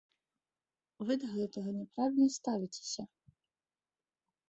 Вы да гэтага няправільна ставіцеся.